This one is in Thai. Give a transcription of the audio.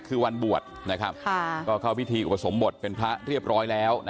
ก็คือมีเทวดาชุมนุมสิบหกพระองค์ตามโบราณราชประเภน